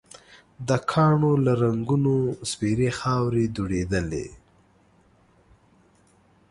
د کاڼو له رنګونو سپېرې خاورې دوړېدلې.